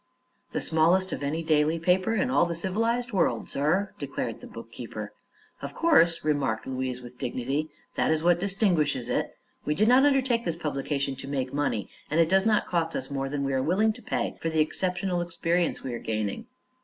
"The smallest of any daily paper in all the civilized word, sir," declared the bookkeeper. "Of course," remarked Louise, with dignity; "that is what distinguishes it. We did not undertake this publication to make money, and it does not cost us more than we are willing to pay for the exceptional experiences we are gaining."